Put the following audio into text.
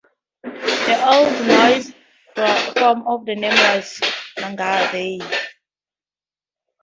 The Old Norse form of the name was "Lagardalr".